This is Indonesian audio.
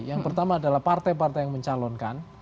yang pertama adalah partai partai yang mencalonkan